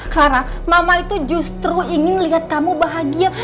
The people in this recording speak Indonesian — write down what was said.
clara mama itu justru ingin lihat kamu bahagia